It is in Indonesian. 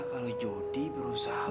kalau jody berusaha